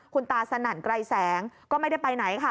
คุณตาสนั่นไกรแสงก็ไม่ได้ไปไหนค่ะ